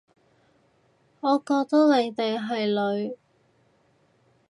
我覺得你哋係女